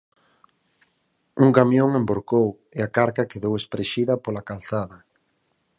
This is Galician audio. Un camión envorcou e a carga quedou esparexida pola calzada.